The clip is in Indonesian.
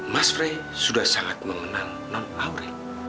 mas pray sudah sangat mengenal nenek aurel